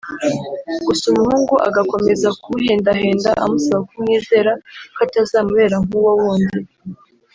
gusa umuhungu agakomeza kumuhendahenda amusaba kumwizera ko atazamubera nk’uwo wundi